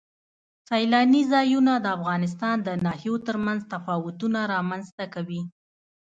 سیلانی ځایونه د افغانستان د ناحیو ترمنځ تفاوتونه رامنځ ته کوي.